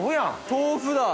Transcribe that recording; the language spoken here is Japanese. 豆腐だ！